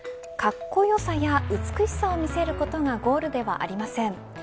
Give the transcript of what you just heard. かっこよさや美しさを見せることがゴールではありません。